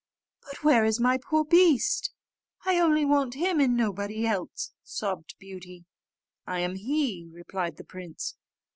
"But where is my poor beast? I only want him and nobody else," sobbed Beauty. "I am he," replied the Prince.